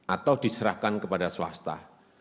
atau diserahkan kepada swasta